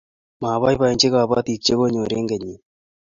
Maboiyboiitch kabotik che konyor eng' kenyini